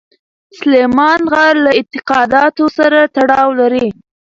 سلیمان غر له اعتقاداتو سره تړاو لري.